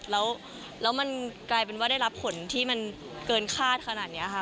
แล้วมันกลายเป็นว่าได้รับผลที่มันเกินคาดขนาดนี้ค่ะ